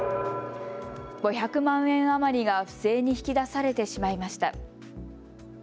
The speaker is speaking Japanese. ５００万円余りが不正に引き出されてしまいました。